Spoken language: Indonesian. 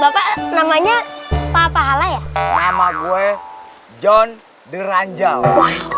bapak namanya apa halnya ya nama gue john deranjau